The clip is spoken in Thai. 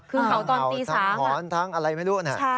คือเห่าตอนตี๓หอนทั้งอะไรไม่รู้นะ